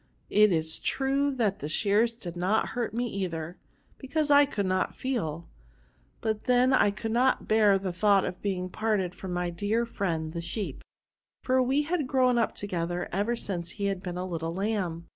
It is true that the shears did not hurt me either, because I could not feel ; but then I could not bear the thoughts of being parted from my dear friend, the sheep ; for we had grown up together ever since he had been a little lamb.